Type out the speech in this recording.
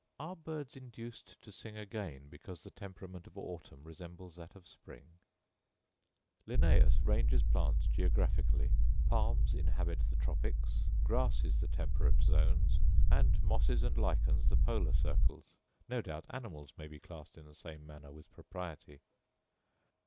Are birds induced to sing again because the temperament of autumn resembles that of spring ? Linnaeus ranges plants geographically; palms inhabit the tropics, grasses the temperate zones, and mosses and lichens the polar circles; no doubt animals may be classed in the same manner with propriety.